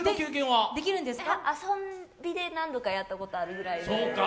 遊びで何度かやったことあるくらいで。